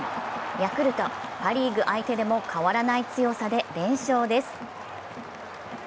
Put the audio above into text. ヤクルト、パ・リーグ相手でも変わらない強さで連勝です。